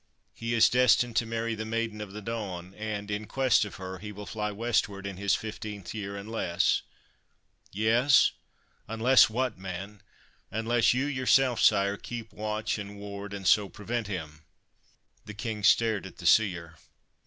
He is destined to marry the Maiden of the Dawn, and, in quest of her, he will fly westward in his fifteenth year, unless '' Yes, unless what, man ?' 1 Unless you yourself, sire, keep watch and ward and so prevent him.' The King stared at the seer.